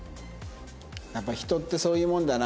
やっぱ人ってそういうもんだな。